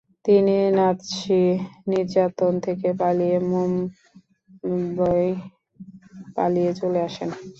তিনি নাৎসি নির্যাতন থেকে পালিয়ে মুম্বই পালিয়ে চলে আসেন।